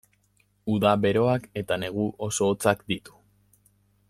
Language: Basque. Uda beroak eta oso negu hotzak ditu.